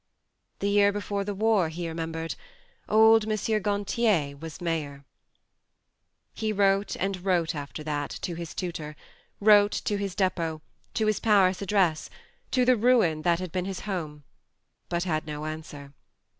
The year before the war, he remem bered, old M. Gantier was mayor ! He wrote and wrote, after that, to his tutor ; wrote to his depot, to his Paris address, to the ruin that had been his home ; but had no answer.